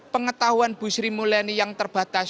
pengetahuan bu sri mulyani yang terbatas